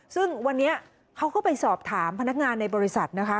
ซึ่งวันนี้เขาก็ไปสอบถามพนักงานในบริษัทนะคะ